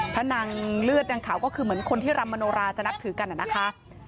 นางเลือดนางขาวก็คือเหมือนคนที่รำมโนราจะนับถือกันนะคะ